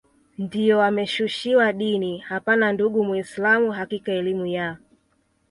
ndiyo wameshushiwa dini hapana ndugu muislam hakika elimu ya